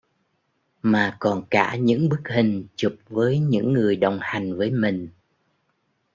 Mà còn cả những bức hình chụp với những người đồng hành với mình